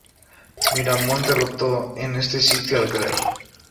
Miramón derrotó en este sitio al Gral.